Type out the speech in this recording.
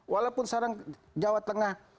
walaupun sekarang jawa tengah